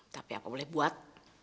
tapi apa boleh buat